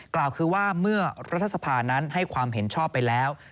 กล่าวคือว่าเมื่อรัฐสภานั้นให้ความเห็นชอบไปแล้ว